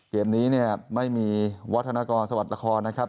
เกมนี้เนี่ยไม่มีวัฒนากรสวัสดิ์ละครนะครับ